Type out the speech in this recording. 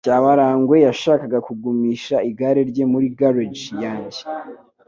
Cyabarangwe yashakaga kugumisha igare rye muri garage yanjye.